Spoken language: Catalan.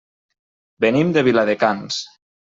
Venim de Viladecans.